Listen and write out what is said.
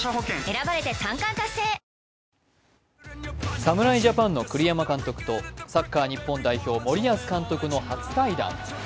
侍ジャパンの栗山監督とサッカー日本代表・森保監督の初対談。